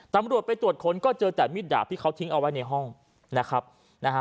ตำรวจไปตรวจค้นก็เจอแต่มีดดาบที่เขาทิ้งเอาไว้ในห้องนะครับนะฮะ